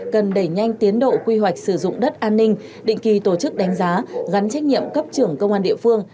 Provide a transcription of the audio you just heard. cần đẩy nhanh tiến độ quy hoạch sử dụng đất an ninh định kỳ tổ chức đánh giá gắn trách nhiệm cấp trưởng công an địa phương